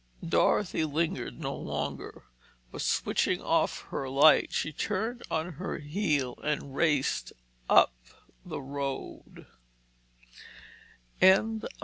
Dorothy lingered no longer, but switching off her light, she turned on her heel and raced up the road.